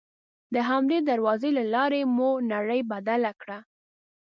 د همدې دروازې له لارې مو نړۍ بدله کړه.